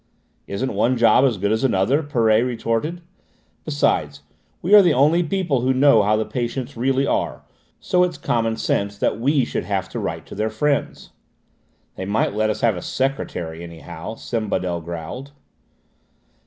"Isn't one job as good as another?" Perret retorted. "Besides, we are the only people who know how the patients really are, so it's common sense that we should have to write to their friends." "They might let us have a secretary, anyhow," Sembadel growled.